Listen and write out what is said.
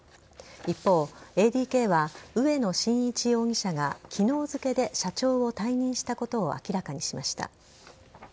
一方、ＡＤＫは植野伸一容疑者が昨日付で社長を退任したことを明らかにしました。